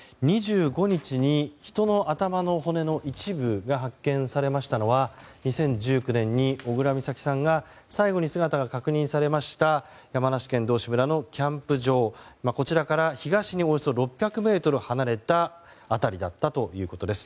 ２５日に人の頭の骨の一部が発見されましたのは２０１９年に小倉美咲さんが最後に姿が確認されました山梨県道志村のキャンプ場から東におよそ６００ｍ離れた辺りだったということです。